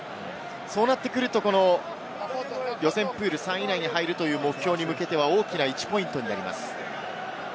そうなってくると予選プール３位内に入るという目標に向けては、大きな１ポイントになります。